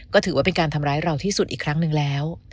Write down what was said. ก็ถือว่าเป็นการทำร้ายเราที่สุดอีกครั้งหนึ่งแล้ว